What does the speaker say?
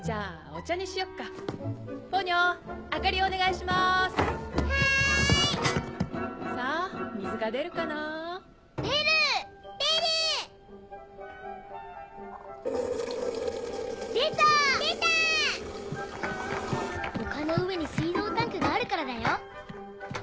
丘の上に水道タンクがあるからだよ。